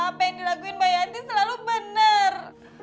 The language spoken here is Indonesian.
apa yang dilaguin mbak yanti selalu bener